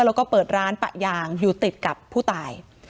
แล้วก็เปิดร้านปะยางอยู่ติดกับผู้ตาย